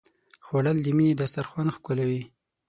خوړل د مینې دسترخوان ښکلوي